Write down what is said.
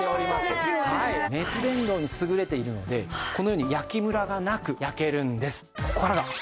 熱伝導に優れているのでこのように焼きムラがなく焼けるんです。